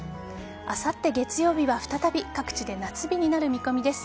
あさって月曜日は再び各地で夏日になる見込みです。